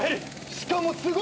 しかもすごい数。